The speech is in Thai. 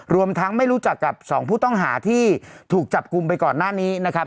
รวมทั้งไม่รู้จักกับสองผู้ต้องหาที่ถูกจับกลุ่มไปก่อนหน้านี้นะครับ